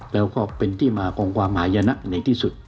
แล้วก็เป็นที่มาของความหมายนะในที่สุด